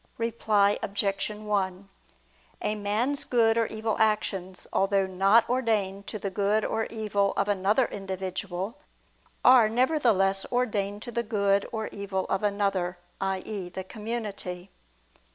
Reply Obj. 1: A man's good or evil actions, although not ordained to the good or evil of another individual, are nevertheless ordained to the good or evil of another, i.e. the community.